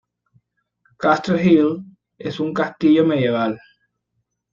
Castle Hill es un castillo medieval.